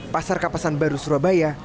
pasar kapasan baru surabaya